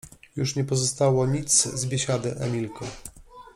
— Już nie pozostało nic z biesiady, Emilko.